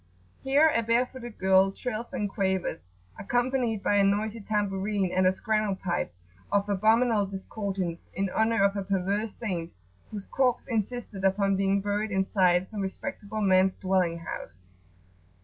Here a bare footed girl trills and quavers, accompanied by a noisy tambourine and a "scrannel pipe" of abominable discordance, in honour of a perverse saint whose corpse insisted upon being buried inside some respectable man's dwelling house.